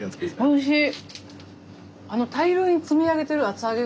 おいしい！